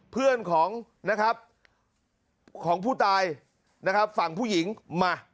เพื่อนของนะครับของผู้ตายนะครับฝั่งผู้หญิงมา